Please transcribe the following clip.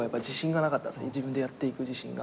自分でやっていく自信が。